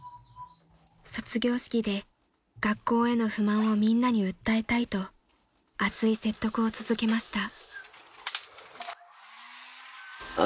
［卒業式で学校への不満をみんなに訴えたいと熱い説得を続けました］